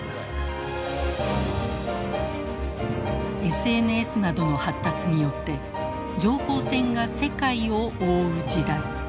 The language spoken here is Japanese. ＳＮＳなどの発達によって情報戦が世界を覆う時代。